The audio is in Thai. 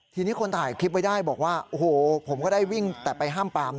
ทีนี้คนถ่ายคลิปไว้ได้บอกว่า